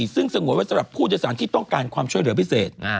ซึ่งสงวนไว้สำหรับผู้โดยสารที่ต้องการความช่วยเหลือพิเศษ